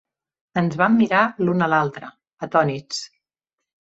Ens vam mirar l'un a l'altre, atònits.